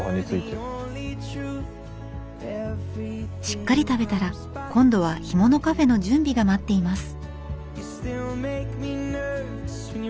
しっかり食べたら今度は干物カフェの準備が待っています。